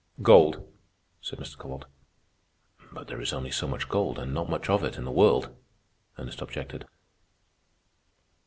"Gold," said Mr. Kowalt. "But there is only so much gold, and not much of it, in the world," Ernest objected.